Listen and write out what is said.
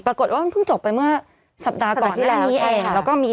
ปรากฏว่ามันเพิ่งจบไปเมื่อสัปดาห์ก่อนที่แล้วนี้เองแล้วก็มี